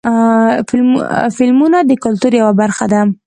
فلمونه د کلتور یوه برخه ده.